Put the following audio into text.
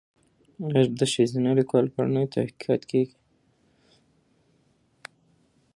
ایا د ښځینه لیکوالو په اړه نوي تحقیقات کیږي؟